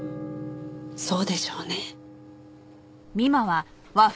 そうでしょうね。